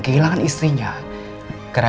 dia di dalam pintunya gitu